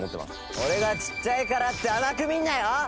俺がちっちゃいからって甘く見んなよ！